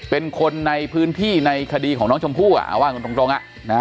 เป็นคนในพื้นที่ในคดีของน้องชมพู่เอาว่าตรง